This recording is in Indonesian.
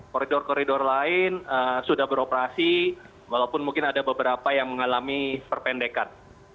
koridor koridor lain sudah beroperasi walaupun mungkin ada beberapa yang mengalami perpendekan